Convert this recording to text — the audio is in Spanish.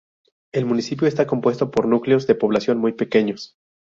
El municipio está compuesto por núcleos de población muy pequeños.